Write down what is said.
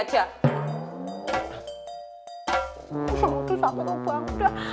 udah sakit pak udah